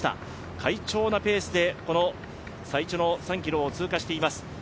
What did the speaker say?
快調のペースで最初の３ｋｍを通過しています。